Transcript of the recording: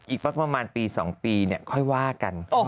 อีกประมาณปี๒ปีเนี่ยค่อยว่ากัน